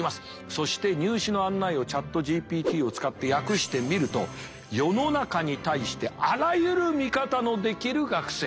そして入試の案内をＣｈａｔＧＰＴを使って訳してみると世の中に対してあらゆる見方のできる学生を求めている。